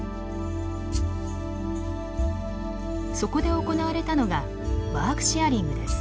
そこで行われたのがワークシェアリングです。